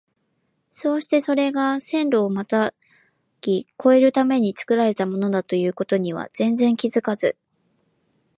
そうしてそれが線路をまたぎ越えるために造られたものだという事には全然気づかず、